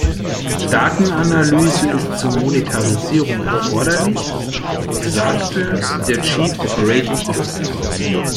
Datenanalyse ist zur Monetarisierung erforderlich, sagte der Chief Operating Officer.